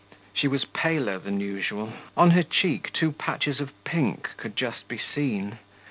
She was paler than usual; on her cheek two patches of pink could just be seen.